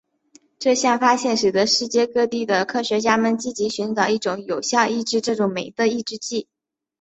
这项发现使得世界各地的科学家们积极寻找一种有效抑制这种酶的抑制剂。